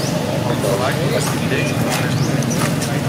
El treball es divideix en tres volums.